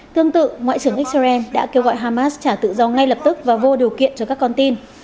tương tự ngoại trưởng israel đã kêu gọi hamas trả tự do ngay lập tức và vô điều kiện cho các con tin